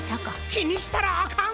きにしたらあかん！